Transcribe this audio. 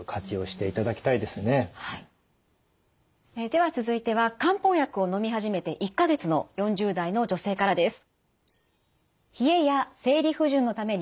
では続いては漢方薬をのみ始めて１か月の４０代の女性からです。